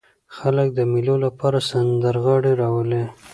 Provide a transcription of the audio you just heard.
خلک د مېلو له پاره سندرغاړي راولي.